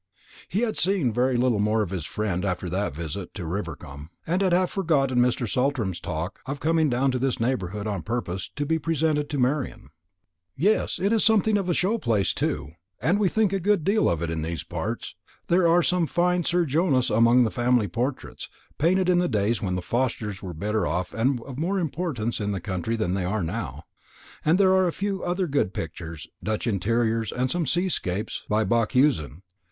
He had seen very little more of his friend after that visit to Rivercombe, and had half forgotten Mr. Saltram's talk of coming down to this neighbourhood on purpose to be presented to Marian. "Yes. It is something of a show place, too; and we think a good deal of it in these parts. There are some fine Sir Joshuas among the family portraits, painted in the days when the Forsters were better off and of more importance in the county than they are now. And there are a few other good pictures Dutch interiors, and some seascapes by Bakhuysen.